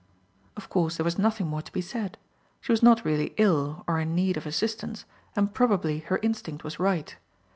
Of course there was nothing more to be said. She was not really ill or in need of assistance, and probably her instinct was right.